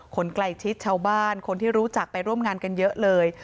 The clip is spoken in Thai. คนใกล้ชิดชาวบ้านคนที่รู้จักไปร่วมงานกันเยอะเลย